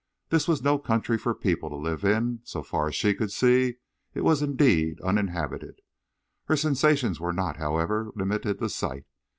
This was no country for people to live in, and so far as she could see it was indeed uninhabited. Her sensations were not, however, limited to sight.